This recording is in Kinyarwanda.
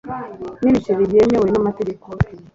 nibiceri byemewe n'amategeko